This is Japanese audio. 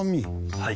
はい。